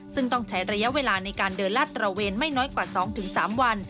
ซึ่งต้องใช้ระยะเวลาในการเดินลาดตระเวนไม่น้อยกว่า๒๓วัน